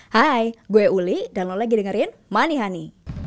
hai gue uli dan lo lagi dengerin manihani